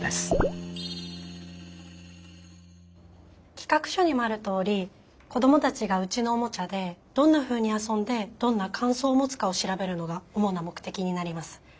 企画書にもあるとおり子どもたちがうちのおもちゃでどんなふうに遊んでどんな感想を持つかを調べるのが主な目的になります。